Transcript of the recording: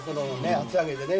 厚揚げでね。